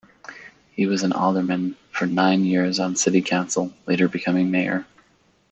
He was an alderman for nine years on city council, later becoming mayor.